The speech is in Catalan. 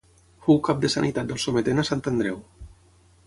Fou cap de sanitat del Sometent a Sant Andreu.